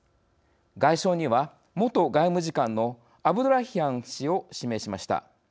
外相には元外務次官のアブドラヒアン氏を指名しました。